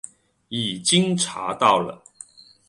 已经查到了